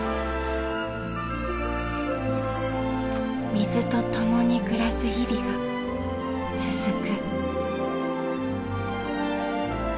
水と共に暮らす日々が続く。